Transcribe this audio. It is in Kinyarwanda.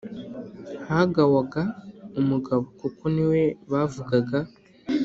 hagawaga umugabo kuko niwe bavuga